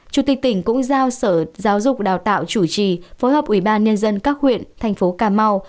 chủ tịch tỉnh cũng giao sở giáo dục đào tạo chủ trì phối hợp ubnd các huyện thành phố cà mau